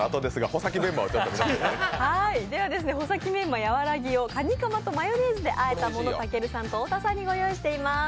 穂先メンマやわらぎをかにかまとマヨネーズで和えたものをたけるさんと太田さんにご用意してます。